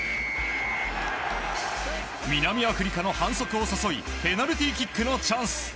南アフリカの反則を誘いペナルティーキックのチャンス。